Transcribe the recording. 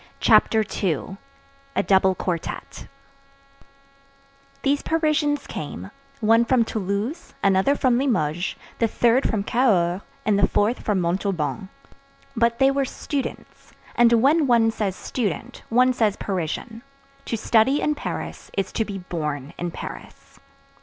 CHAPTER II—A DOUBLE QUARTETTE These Parisians came, one from Toulouse, another from Limoges, the third from Cahors, and the fourth from Montauban; but they were students; and when one says student, one says Parisian: to study in Paris is to be born in Paris.